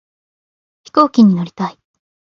飛行機に乗りたい